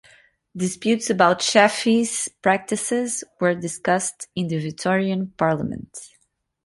Disputes about the Chaffey's practices were discussed in the Victorian parliament.